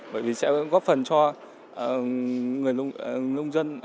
bởi vì sẽ góp phần cho người nông dân